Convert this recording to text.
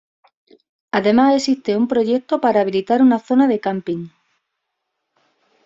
Además, existe un proyecto para habilitar una zona de camping.